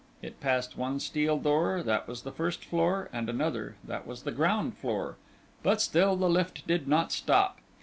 It passed one steel door that was the first floor; and another that was the ground floor, but still the lift did not stop.